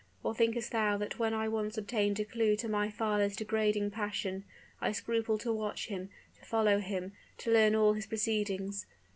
or thinkest thou that when I once obtained a clew to my father's degrading passion, I scrupled to watch him, to follow him, to learn all his proceedings?